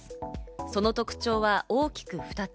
その特徴は大きく２つ。